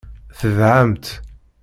Tedɛamt.